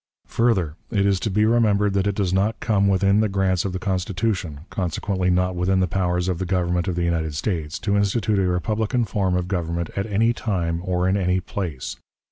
Further, it is to be remembered that it does not come within the grants of the Constitution, consequently not within the powers of the Government of the United States, to institute a republican form of government at any time or in any place.